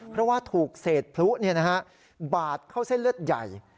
เพราะว่าถูกเศษพลุบาดเข้าเส้นเลือดใหญ่